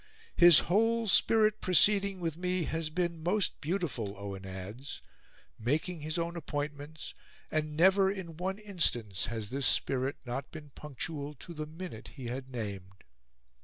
"His whole spirit proceeding with me has been most beautiful," Owen adds, "making his own appointments; and never in one instance has this spirit not been punctual to the minute he had named."